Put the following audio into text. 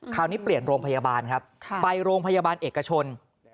คราวนี้เปลี่ยนโรงพยาบาลครับไปโรงพยาบาลเอกชน